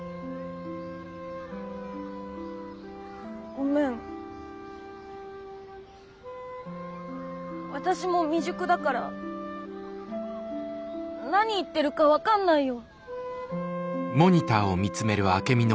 ごめん私も未熟だから何言ってるか分かんないよ。